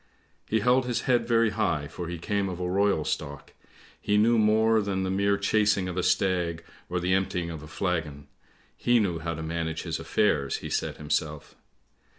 " He held his head very high for he came of a royal stock! He knew more than the mere chasing of a stag, or the emptying of a flagon ; he knew how to manage his affairs, he said himself.